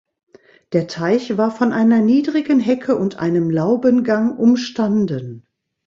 Der Teich war von einer niedrigen Hecke und einem Laubengang umstanden.